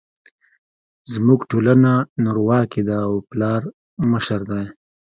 زموږ ټولنه نرواکې ده او پلار مشر دی